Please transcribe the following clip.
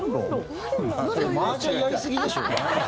マージャンやりすぎでしょ。